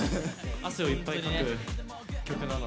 汗をいっぱいかく曲なので。